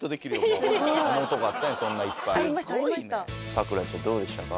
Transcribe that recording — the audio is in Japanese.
さくらちゃんどうでしたか？